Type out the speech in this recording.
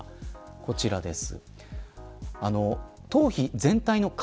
こちらです。